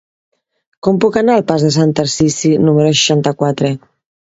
Com puc anar al pas de Sant Tarsici número seixanta-quatre?